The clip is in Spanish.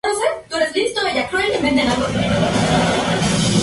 Ha desarrollado su obra entre Madrid, París y Valencia.